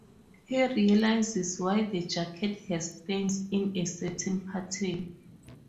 He realizes why the jacket has stains in a certain pattern.